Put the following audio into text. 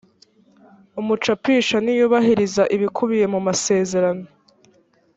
umucapisha ntiyubahiriza ibikubiye mumasezerano.